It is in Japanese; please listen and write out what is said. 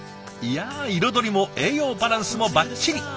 いや彩りも栄養バランスもバッチリ。